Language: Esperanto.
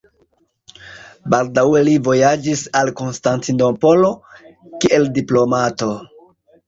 Baldaŭe li vojaĝis al Konstantinopolo, kiel diplomato.